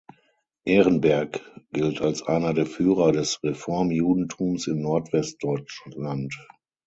Ehrenberg gilt als einer der Führer des Reformjudentums in Nordwest-Deutschland.